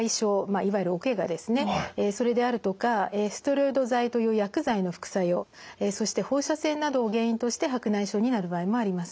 いわゆるおけがですねそれであるとかステロイド剤という薬剤の副作用そして放射線などを原因として白内障になる場合もあります。